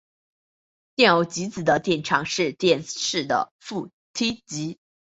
电偶极子的电场是电势的负梯度。